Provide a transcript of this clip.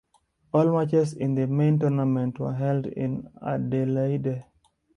All matches in the main tournament were held in Adelaide.